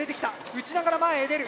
撃ちながら前へ出る。